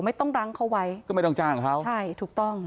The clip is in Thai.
ไม่ต้องรั้งเขาไว้ก็ไม่ต้องจ้างเขาใช่ถูกต้อง